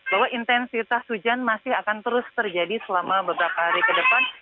bahwa intensitas hujan masih akan terus terjadi selama beberapa hari ke depan